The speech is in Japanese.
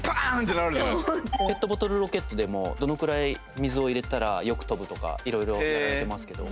ペットボトルロケットでもどのくらい水を入れたらよく飛ぶとかいろいろやってますけど。